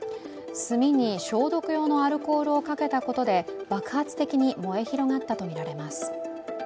炭に消毒用のアルコールをかけたことで爆発的に燃え広がったとみられます。